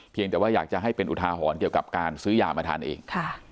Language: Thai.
แต่ว่าอยากจะให้เป็นอุทาหรณ์เกี่ยวกับการซื้อยามาทานเอง